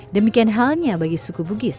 demikian halnya bagi suku bugis